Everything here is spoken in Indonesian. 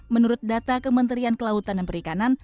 menurut data kementerian kelautan dan perikanan